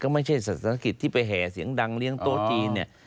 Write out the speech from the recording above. ไม่ใช่ศาสนกิจที่ไปแห่เสียงดังเลี้ยงโต๊ะจีนเนี่ย